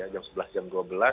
jam sebelas jam dua belas